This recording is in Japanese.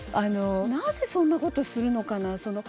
なぜそんな事するのかな？